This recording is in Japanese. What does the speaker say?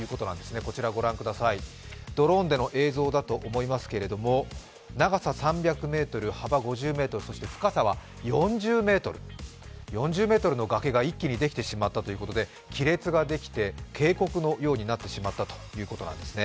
こちらご覧ください、ドローンでの映像だと思いますが長さ３００ｍ、幅５０ｍ、深さは４０ｍ、４０ｍの崖が一気にできてしまったということで亀裂ができて渓谷のようになってしまったということなんですね。